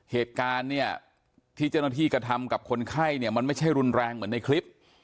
เหตุการณ์เนี่ยที่เจ้าหน้าที่กระทำกับคนไข้เนี่ยมันไม่ใช่รุนแรงเหมือนในคลิป